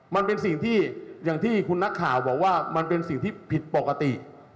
มันเป็นสิ่งที่อย่างที่คุณนักข่าวบอกว่ามันเป็นสิ่งที่ผิดปกติ